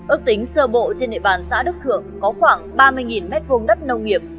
ước tính sơ bộ trên địa bàn xã đức thượng có khoảng ba mươi m hai đất nông nghiệp